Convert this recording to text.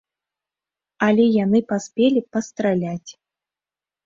Але яны паспелі пастраляць.